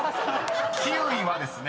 ［「キウイ」はですね